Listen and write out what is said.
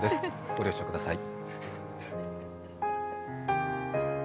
ご了承ください。